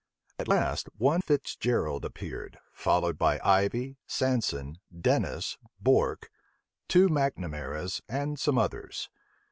At last, one Fitzgerald appeared, followed by Ivey, Sanson, Dennis, Bourke, two Macnamaras, and some others.